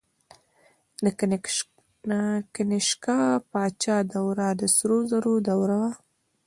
د کنیشکا پاچا دوره د سرو زرو دوره وه